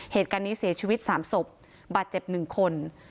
เหตุการณ์นี้เสียชีวิต๓ศพบาดเจ็บ๑คน